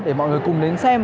để mọi người cùng đến xem